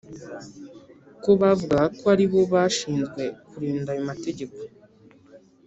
ko bavugaga ko ari bo bashinzwe kurinda ayo mategeko